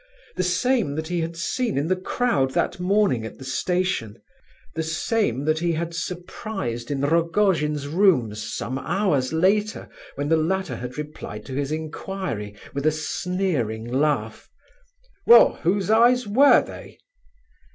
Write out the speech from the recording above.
The same that he had seen in the crowd that morning at the station, the same that he had surprised in Rogojin's rooms some hours later, when the latter had replied to his inquiry with a sneering laugh, "Well, whose eyes were they?"